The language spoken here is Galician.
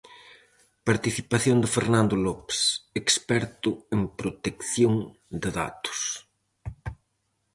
Participación de Fernando López, experto en protección de datos.